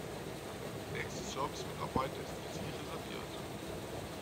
Der nächste Service-Mitarbeiter ist für Sie reserviert.